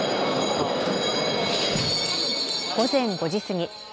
午前５時過ぎ。